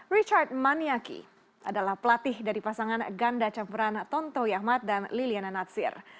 richard maniyaki adalah pelatih dari pasangan ganda campuran tonto yahmat dan liliana natsir